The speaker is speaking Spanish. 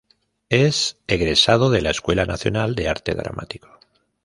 Es Egresado de la Escuela Nacional de Arte Dramático.